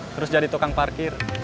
terus jadi tukang parkir